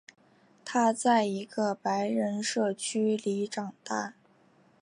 他在一个白人社区里长大。